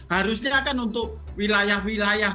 harusnya kan untuk wilayah wilayah